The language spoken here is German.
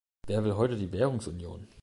Wer will heute die Währungsunion?